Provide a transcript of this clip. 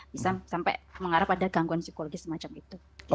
bisa sampai mengarah pada gangguan psikologis semacam itu